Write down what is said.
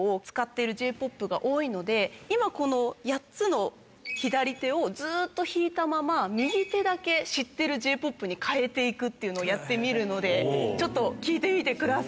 今この８つの左手をずっと弾いたまま右手だけ知ってるＪ−ＰＯＰに変えて行くっていうのをやってみるのでちょっと聴いてみてください。